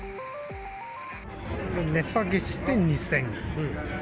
値下げして２０００。